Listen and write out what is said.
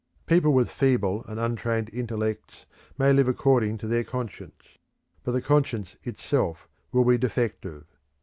Persons with feeble and untrained intellects may live according to their conscience; but the conscience itself will be defective.